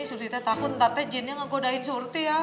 surti teh takut ntar teh jinnya ngegodain surti ya